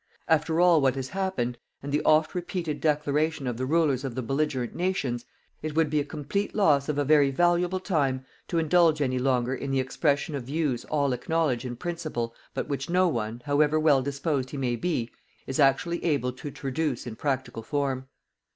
After all what has happened, and the oft repeated declaration of the Rulers of the belligerent nations, it would be a complete loss of a very valuable time to indulge any longer in the expression of views all acknowledge in principle, but which no one, however well disposed he may be, is actually able to traduce in practical form.